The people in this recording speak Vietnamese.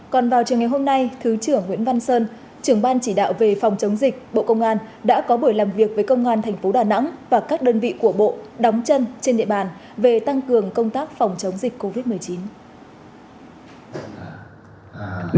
còn vào trường ngày hôm nay thứ trưởng nguyễn văn sơn trưởng ban chỉ đạo về phòng chống dịch bộ công an đã có buổi làm việc với công an tp đà nẵng và các đơn vị của bộ đóng chân trên địa bàn về tăng cường công tác phòng chống dịch covid một mươi chín